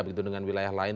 begitu dengan wilayah lain